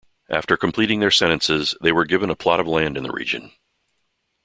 After completing their sentences they were given a plot of land in the region.